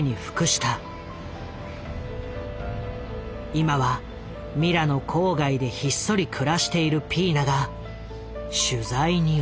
今はミラノ郊外でひっそり暮らしているピーナが取材に応じた。